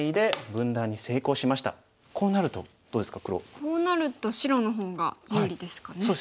こうなると白の方が有利ですかね。